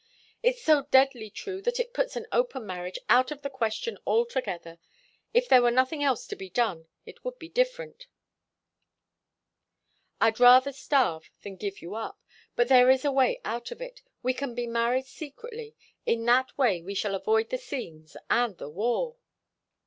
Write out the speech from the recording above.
"It's so deadly true that it puts an open marriage out of the question altogether. If there were nothing else to be done, it would be different. I'd rather starve than give you up. But there is a way out of it. We can be married secretly. In that way we shall avoid the scenes and the war."